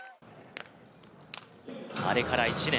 あれから１年